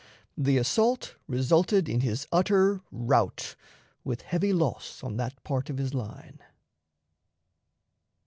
The assault resulted in his utter rout, with heavy loss on that part of his line.